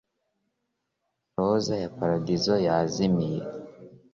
Roza ya paradizo yazimiye